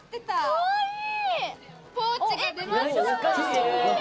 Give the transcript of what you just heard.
かわいい！